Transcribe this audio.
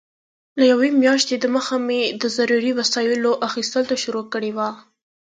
له یوې میاشتې دمخه مې د ضروري وسایلو اخیستلو ته شروع کړې وه.